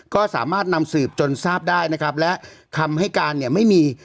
ก็สามารถนำสืบจนทราบได้นะครับและคำให้การเนี่ยไม่มี